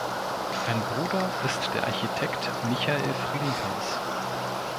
Ein Bruder ist der Architekt Michael Frielinghaus.